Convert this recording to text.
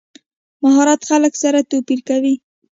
مهارت خلک سره توپیر کوي.